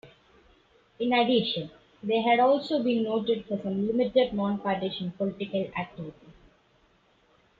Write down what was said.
In addition, they had also been noted for some limited non-partisan political activity.